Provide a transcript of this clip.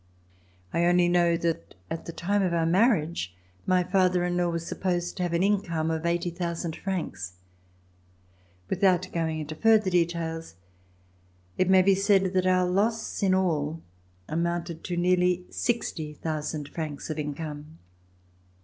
I only know that at the time of our marriage, my father in law was supposed to have an income of 80,000 francs. Without going into further details, it may be said that our loss in all amounted to nearly 60,000 francs of income.